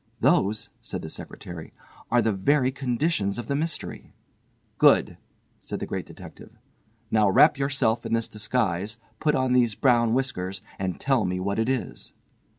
"Those," said the secretary, "are the very conditions of the mystery." "Good," said the Great Detective, "now wrap yourself in this disguise, put on these brown whiskers and tell me what it is."